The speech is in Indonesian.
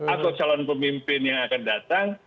atau calon pemimpin yang akan datang